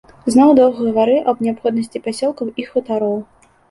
Зноў доўга гаварыў аб неабходнасці пасёлкаў і хутароў.